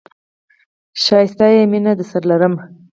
ښکلی یې، مینه درسره لرم